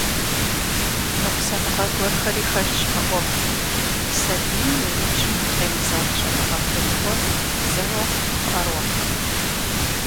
Ныкъусаныгъэ гуэрхэри хэлъщ мы Ӏуэхум — сабийм и ныбжьым къемызэгъ щӀэныгъэ куэдыӀуэ зэуэ къыӀэрохьэ.